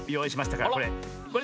これ。